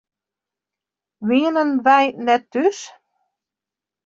Wienen wy net thús?